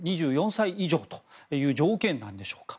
２４歳以上という条件なんでしょうか。